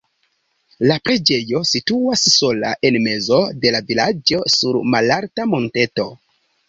La preĝejo situas sola en mezo de la vilaĝo sur malalta monteto.